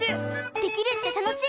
できるって楽しい！